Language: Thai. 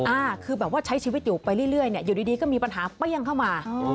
อ่าคือแบบว่าใช้ชีวิตอยู่ไปเรื่อยเนี่ยอยู่ดีก็มีปัญหาเปรี้ยงเข้ามา